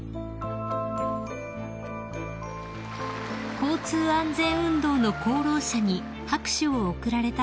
［交通安全運動の功労者に拍手を送られたご夫妻］